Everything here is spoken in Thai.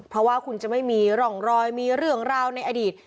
เพราะว่าคุณจะไม่มีร่องรอยมีเรื่องราวในอดีต